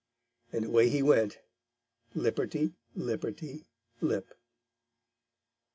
And away he went, lipperty lipperty lip.